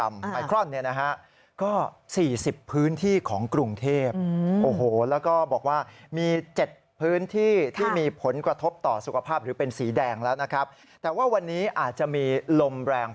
๒๕ไมโครกรัมไมโครนนี่นะฮะ